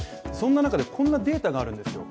そんな中で、こんなデータがあるんです。